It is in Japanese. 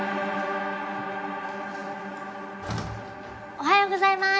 おはようございます！